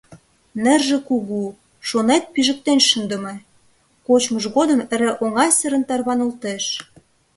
Нерже кугу, шонет, пижыктен шындыме — кочмыж годым эре оҥайсырын тарванылеш.